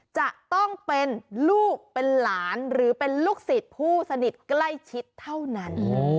จะต้องเป็นลูกเป็นหลานหรือเป็นลูกศิษย์ผู้สนิทใกล้ชิดเท่านั้น